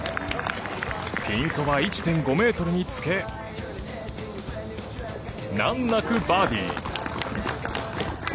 ピンそば１．５ｍにつけ難なくバーディー。